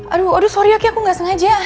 aduh sorry ya ki aku nggak sengaja